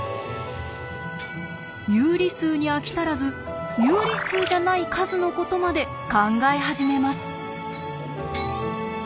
有理数に飽き足らず有理数じゃない数のことまで考え始めます。